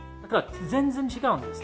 全然違うんです。